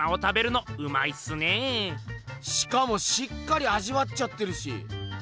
しかもしっかり味わっちゃってるし。